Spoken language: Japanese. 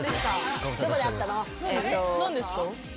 何ですか？